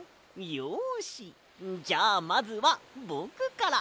よしじゃあまずはぼくから。